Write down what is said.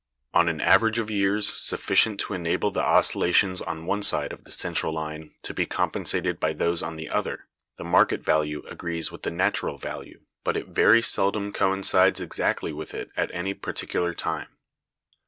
On an average of years sufficient to enable the oscillations on one side of the central line to be compensated by those on the other, the market value agrees with the natural value; but it very seldom coincides exactly with it at any particular time.